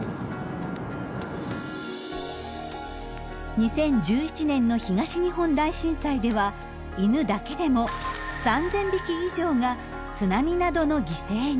２０１１年の東日本大震災では犬だけでも３，０００匹以上が津波などの犠牲に。